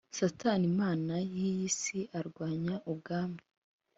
Satani imana y iyi si arwanya Ubwami